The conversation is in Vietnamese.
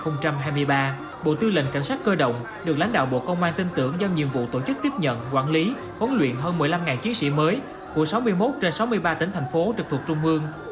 năm hai nghìn hai mươi ba bộ tư lệnh cảnh sát cơ động được lãnh đạo bộ công an tin tưởng giao nhiệm vụ tổ chức tiếp nhận quản lý huấn luyện hơn một mươi năm chiến sĩ mới của sáu mươi một trên sáu mươi ba tỉnh thành phố trực thuộc trung ương